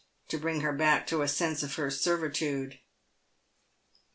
to bring her back to a sense of her servitude.